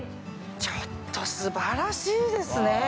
ちょっと、素晴らしいですね。